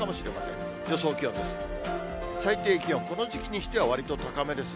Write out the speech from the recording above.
最低気温、この時期にしてはわりと高めですね。